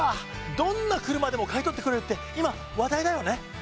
どんな車でも買い取ってくれるって今話題だよね。